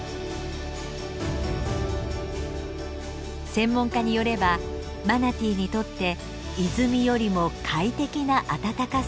専門家によればマナティーにとって泉よりも快適なあたたかさだといいます。